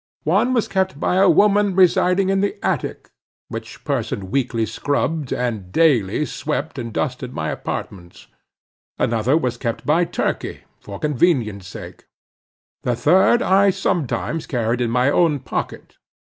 One was kept by a woman residing in the attic, which person weekly scrubbed and daily swept and dusted my apartments. Another was kept by Turkey for convenience sake. The third I sometimes carried in my own pocket.